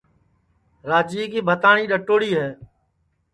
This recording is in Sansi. راجیے کی بھتاٹؔی ڈؔٹؔوڑی ہے